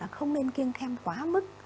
không nên kiêng khem quá mức